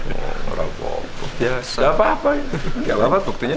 gak apa apa buktinya